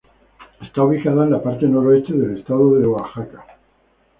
Está ubicada en la parte noroeste del Estado de Oaxaca.